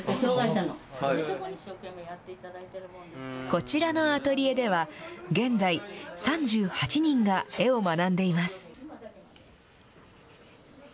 こちらのアトリエでは、現在、３８人が絵を学んでいます。